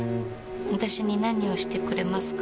私に何をしてくれますか？